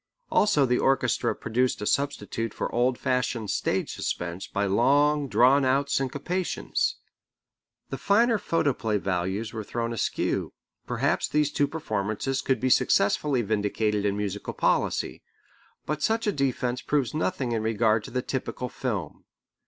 Also the orchestra produced a substitute for old fashioned stage suspense by long drawn out syncopations. The finer photoplay values were thrown askew. Perhaps these two performances could be successfully vindicated in musical policy. But such a defence proves nothing in regard to the typical film.